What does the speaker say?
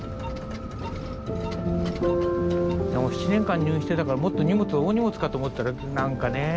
７年間入院してたからもっと荷物大荷物かと思ったら何かねえ。